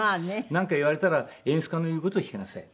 なんか言われたら「演出家の言う事を聞きなさい」